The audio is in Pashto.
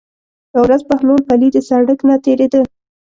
یوه ورځ بهلول پلي د سړک نه تېرېده.